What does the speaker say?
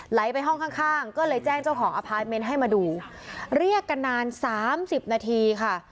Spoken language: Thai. ไหลไปห้องข้างข้างก็เลยแจ้งเจ้าของอพาร์ทเมนต์ให้มาดูเรียกกันนานสามสิบนาทีค่ะ